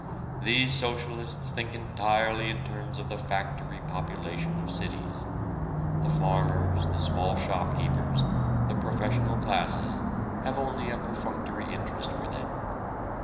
These socialists think entirely in terms of the factory population of cities: the farmers, the small shop keepers, the professional classes have only a perfunctory interest for them.